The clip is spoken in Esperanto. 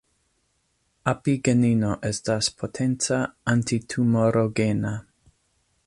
Apigenino estas potenca antitumorogena.